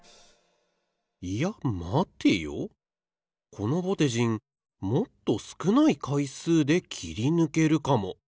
このぼてじんもっとすくないかいすうで切りぬけるかも。